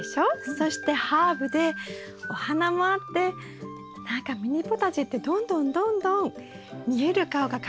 そしてハーブでお花もあって何かミニポタジェってどんどんどんどん見える顔が変わってきて楽しいですね。